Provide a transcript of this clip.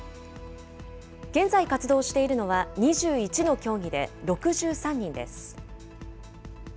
現在活動しているのは２１の競技で６３人です。